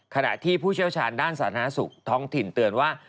ขณะที่ผู้เชี่ยวชาญด้านสาธารณสุขท้องถิ่นเตือนว่า